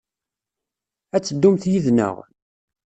Ad teddumt yid-neɣ?